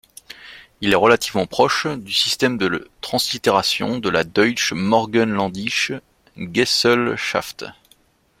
Il est relativement proche du système de translittération de la Deutsche Morgenländische Gesellschaft.